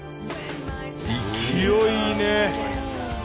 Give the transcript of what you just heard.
勢いいいね。